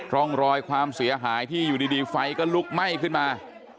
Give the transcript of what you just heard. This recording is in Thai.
ร่องรอยความเสียหายที่อยู่ดีไฟก็ลุกไหม้ขึ้นมา